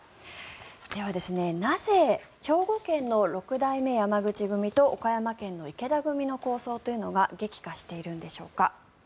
では、なぜ兵庫県の六代目山口組と岡山県の池田組の抗争というのが激化しているのでしょうか。